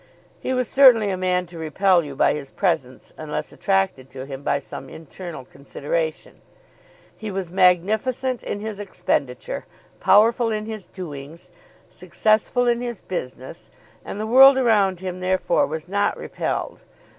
He was certainly a man to repel you by his presence unless attracted to him by some internal consideration. He was magnificent in his expenditure, powerful in his doings, successful in his business, and the world around him therefore was not repelled.